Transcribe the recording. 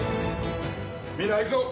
みんな行くぞ！